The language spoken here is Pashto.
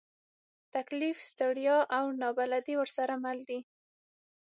تکلیف، ستړیا، او نابلدي ورسره مل دي.